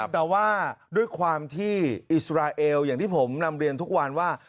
แต่ว่าด้วยความที่อิสราเอลอย่างที่ผมนำเรียนทุกวันว่า